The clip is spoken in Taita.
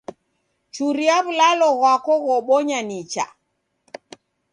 Churia w'ulalo ghwako ghobonya nicha.